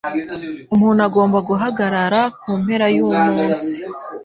Umuntu agomba guhagarara kumpera yumunsi